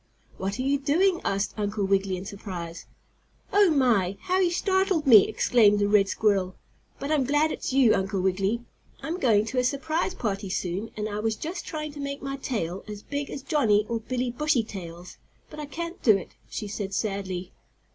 "What are you doing?" asked Uncle Wiggily in surprise. "Oh, my! How you startled me!" exclaimed the red squirrel. "But I'm glad it's you, Uncle Wiggily. I'm going to a surprise party soon, and I was just trying to make my tail as big as Johnnie or Billie Bushytail's, but I can't do it," she said sadly.